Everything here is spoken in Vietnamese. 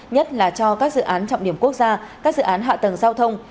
nhất là cho các dự án trọng điểm quốc gia các dự án hạ tầng giao thông